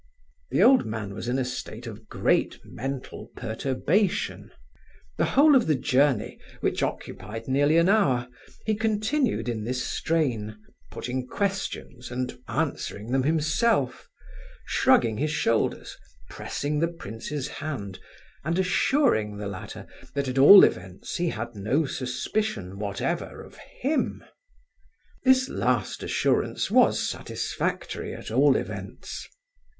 The old man was in a state of great mental perturbation. The whole of the journey, which occupied nearly an hour, he continued in this strain, putting questions and answering them himself, shrugging his shoulders, pressing the prince's hand, and assuring the latter that, at all events, he had no suspicion whatever of him. This last assurance was satisfactory, at all events.